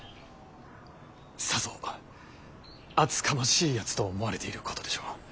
さぞ厚かましいやつと思われていることでしょう。